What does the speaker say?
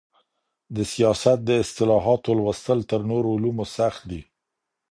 د سياست د اصطلاحاتو لوستل تر نورو علومو سخت دي.